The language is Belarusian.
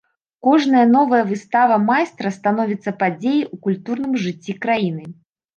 Кожная новая выстава майстра становіцца падзеяй у культурным жыцці краіны.